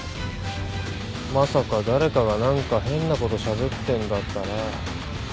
まさか誰かが何か変なことしゃべってんだったら。